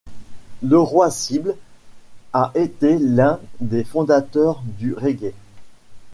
Leroy Sibbles a été l'un des fondateurs du reggae.